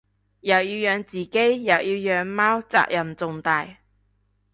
又要養自己又要養貓責任重大